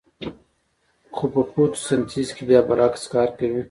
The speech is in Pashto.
خو په فتوسنتیز کې بیا برعکس کار کوي